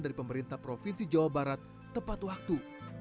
dari pemerintah provinsi jawa barat tepat waktu